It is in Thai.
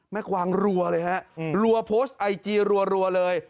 กวางรัวเลยฮะรัวโพสต์ไอจีรัวเลย